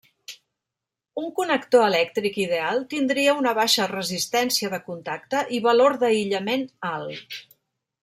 Un connector elèctric ideal tindria una baixa resistència de contacte i valor d'aïllament alt.